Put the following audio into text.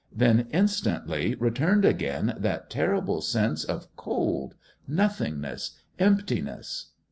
Then, instantly, returned again that terrible sense of cold, nothingness, emptiness....